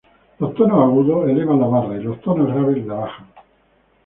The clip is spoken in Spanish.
Los tonos agudos, elevan la barra y los tonos graves la bajan.